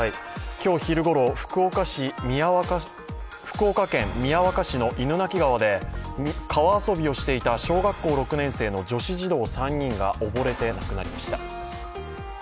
今日昼ごろ、福岡県宮若市の犬鳴川で、川遊びをしていた小学校６年生の女子児童３人が溺れて亡くなりました。